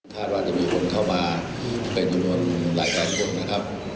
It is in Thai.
ต้องการให้เรียกการรับทราบการคนด้วยนะครับ